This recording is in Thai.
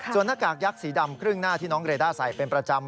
ส่วนหน้ากากยักษ์สีดำครึ่งหน้าที่น้องเรด้าใส่เป็นประจำ